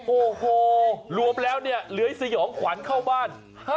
โอ้โหรวมแล้วเนี่ยเหลือยสยองขวัญเข้าบ้าน